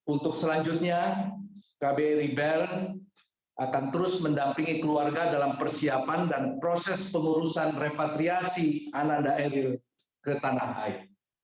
untuk selanjutnya kbri bern akan terus mendampingi keluarga dalam persiapan dan proses pengurusan repatriasi ananda eril ke tanah air